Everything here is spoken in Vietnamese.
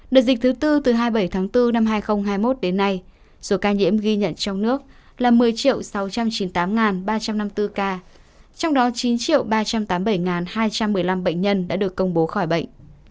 đợt dịch thứ tư từ hai mươi bảy tháng bốn năm hai nghìn hai mươi một đến nay số ca nhiễm ghi nhận trong nước là một mươi sáu trăm chín mươi tám ba trăm năm mươi bốn ca trong đó chín ba trăm tám mươi bảy hai trăm một mươi năm bệnh nhân đã được công bố khỏi bệnh